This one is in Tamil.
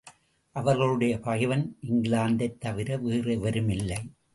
அவர்களுடைய பகைவன் இங்கிலாந்தைத் தவிர வேறெவருமில்லை.